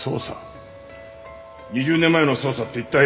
２０年前の捜査って一体。